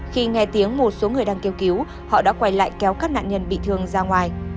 khi nghe tiếng một số người đang kêu cứu họ đã quay lại kéo các nạn nhân bị thương ra ngoài